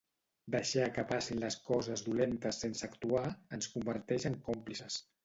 Deixar que passin les coses dolentes sense actuar, ens converteix en còmplices.